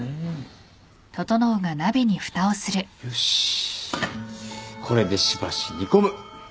これでしばし煮込む！